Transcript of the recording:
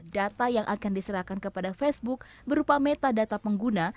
data yang akan diserahkan kepada facebook berupa metadata pengguna